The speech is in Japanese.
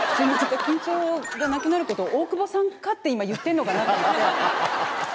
緊張がなくなること大久保さん化って今言ってんのかなと思って。